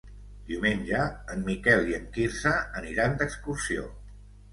Diumenge en Miquel i en Quirze aniran d'excursió.